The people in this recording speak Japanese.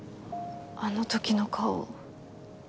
あの時の顔